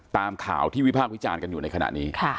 ตามข่าวที่วิพากษ์วิจารณ์กันอยู่ในขณะนี้